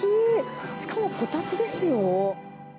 しかもこたつですよ。